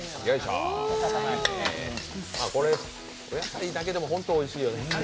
お野菜だけでも本当、おいしいよね